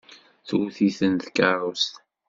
Tewwet-iten tkeṛṛust.